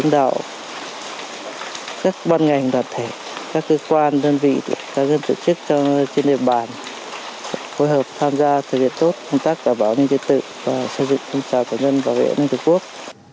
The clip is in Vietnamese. đơn vị các dân tổ chức trong chiến điểm bản hội hợp tham gia thực hiện tốt phương tác đảm bảo an ninh trật tự và xây dựng công trạng của dân bảo vệ an ninh tổ quốc